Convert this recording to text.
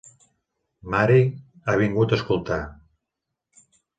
Mary ha vingut a escoltar.